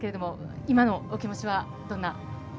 今のお気持ちはどんな？